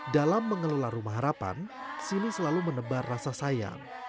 dalam mengelola rumah harapan sini selalu menebar rasa sayang